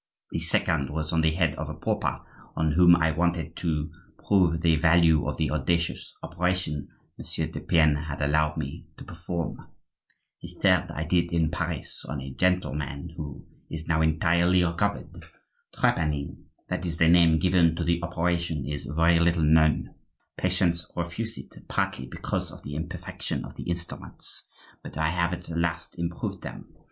The second was on the head of a pauper, on whom I wanted to prove the value of the audacious operation Monsieur de Pienne had allowed me to perform. The third I did in Paris on a gentleman who is now entirely recovered. Trepanning—that is the name given to the operation—is very little known. Patients refuse it, partly because of the imperfection of the instruments; but I have at last improved them.